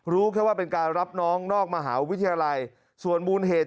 รู้แค่ว่าเป็นการรับน้องนอกมหาวิทยาลัยส่วนมูลเหตุ